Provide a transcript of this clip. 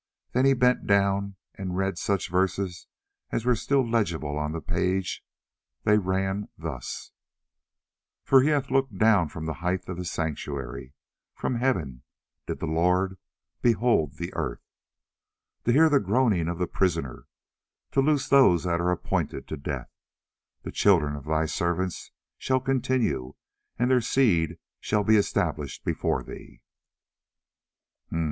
Then he bent down and read such verses as were still legible on the page; they ran thus: "For he hath looked down from the height of his sanctuary; from heaven did the Lord behold the earth;" "To hear the groaning of the prisoner; to loose those that are appointed to death;" "The children of thy servants shall continue, and their seed shall be established before thee."